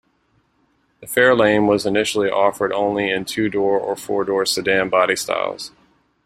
The Fairlane was initially offered only in two-door or four-door sedan body styles.